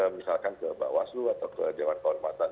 misalkan ke mbak waslu atau ke dewan kehormatan